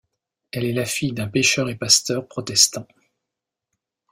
Elle est la fille d'un pêcheur et pasteur protestant.